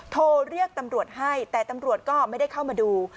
โทรเรียกตำรวจให้แต่ตำรวจก็ไม่ได้เข้ามาดู